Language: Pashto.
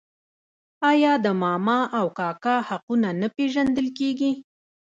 آیا د ماما او کاکا حقونه نه پیژندل کیږي؟